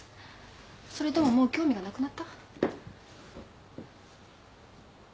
それとももう興味がなくなった？